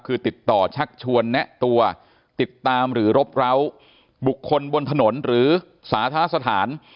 คือติดต่อชักชวนแนะตัวติดตามหรือรบร้าวบุคคลบนถนนหรือสาธารณสถาน